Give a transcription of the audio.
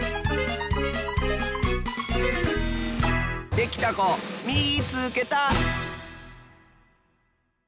できたこみいつけた！